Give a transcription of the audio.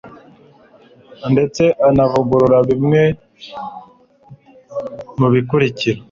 ndetse anavugurura bimwe mu bikurikira